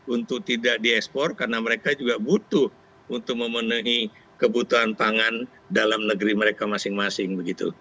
untuk tidak diekspor karena mereka juga butuh untuk memenuhi kebutuhan pangan dalam negeri mereka masing masing begitu